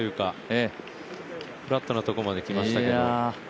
フラットなところまで来ましたけど。